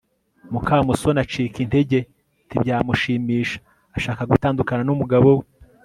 mukamusoni acika intege ntibyamushimisha ashaka gutandukana n'umugabo we